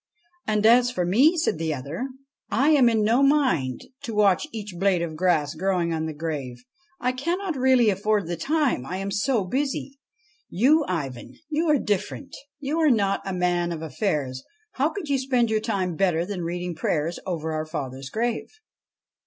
' And as for me,' said the other, ' I am in no mind to watch i 65 IVAN AND THE CHESTNUT HORSE each blade of grass growing on the grave. I cannot really afford the time, I am so busy. You, Ivan, you are different : you are not a man of affairs ; how could you spend your time better than reading prayers over our father's grave